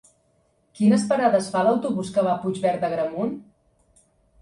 Quines parades fa l'autobús que va a Puigverd d'Agramunt?